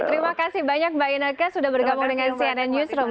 terima kasih banyak mbak ineke sudah bergabung dengan cnn newsroom